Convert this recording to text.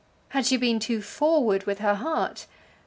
Had she been too forward with her heart?